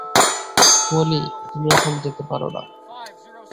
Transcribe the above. মলি, তুমি এখন যেতে পারো না।